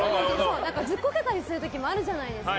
ずっこけたりする時もあるじゃないですか。